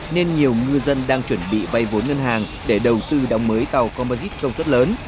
nên nhiều ngư dân đang chuẩn bị vay vốn ngân hàng để đầu tư đóng mới tàu comosite công suất lớn